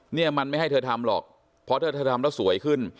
เนี่ยมันไม่ให้เธอทำหรอกเพราะถ้าเธอทำแล้วสวยขึ้น